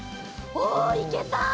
おいけた！